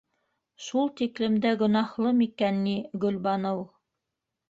Шул тиклем дә гонаһлы микән ни Гөлбаныу?!